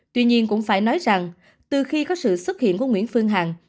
tuy nhiên cũng phải nói rằng từ khi có sự xuất hiện của nguyễn phương hằng